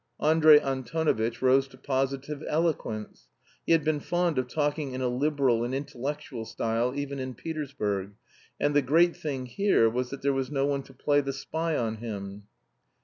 Andrey Antonovitch rose to positive eloquence. He had been fond of talking in a Liberal and intellectual style even in Petersburg, and the great thing here was that there was no one to play the spy on him.